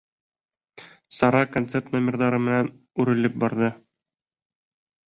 Сара концерт номерҙары менән үрелеп барҙы.